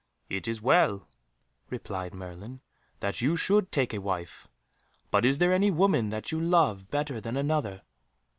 "It is well," replied Merlin, "that you should take a wife, but is there any woman that you love better than another?"